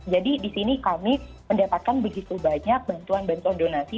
jadi di sini kami mendapatkan begitu banyak bantuan bantuan donasi